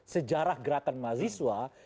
sejarah gerakan mahasiswa